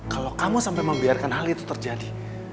kalau kamu sampai membiarkan hal itu terjadi